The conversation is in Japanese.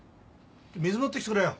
水持って来てくれよ！